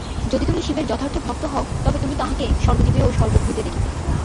যদি তুমি শিবের যথার্থ ভক্ত হও, তবে তুমি তাঁহাকে সর্বজীবে ও সর্বভূতে দেখিবে।